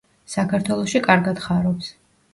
საქართველოში კარგად ხარობს.